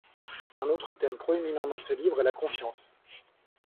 Un autre thème proéminent dans ce livre est la confiance.